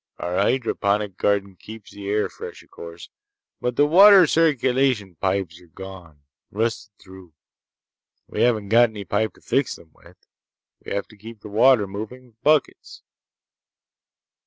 Our hydroponic garden keeps the air fresh, o'course. But the water circulation pipes are gone. Rusted through. We haven't got any pipe to fix them with. We have to keep the water moving with buckets."